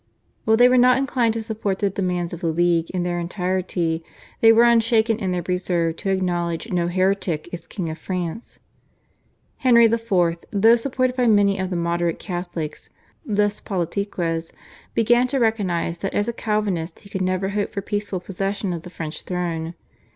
While they were not inclined to support the demands of the League in their entirety they were unshaken in their reserve to acknowledge no heretic as king of France. Henry IV., though supported by many of the moderate Catholics (/Les Politiques/), began to recognise that as a Calvinist he could never hope for peaceful possession of the French throne.